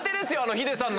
ヒデさんの。